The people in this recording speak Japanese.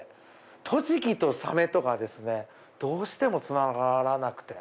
栃木とサメとかですねどうしてもつながらなくて。